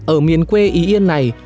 ở miền quê ý yên này